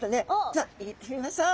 じゃあ行ってみましょう。